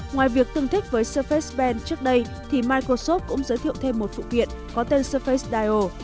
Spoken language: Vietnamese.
ngoài việc tương thích với surface band trước đây thì microsoft cũng giới thiệu thêm một phụ kiện có tên surface dial